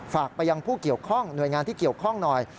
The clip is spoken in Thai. ฝากไปยังผู้เกี่ยวข้องหน่วยงานที่เกี่ยวข้องหน่อย